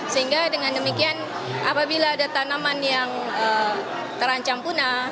sehingga dengan demikian apabila ada tanaman yang terancam punah